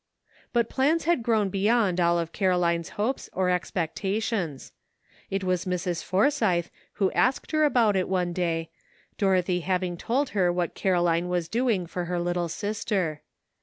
But plans had grown beyond all of Caroline's hopes or expectations. It was Mrs. Forsythe who asked her about it one day, Dorothy having told her what Caroline was doing for her little sister.